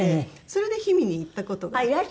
それで氷見に行った事があって。